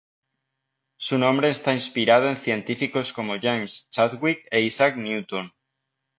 Su nombre está inspirado en científicos como James Chadwick e Isaac Newton.